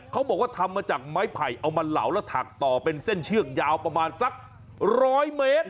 เขาบอกว่าทำมาจากไม้ไผ่เอามาเหลาแล้วถักต่อเป็นเส้นเชือกยาวประมาณสัก๑๐๐เมตร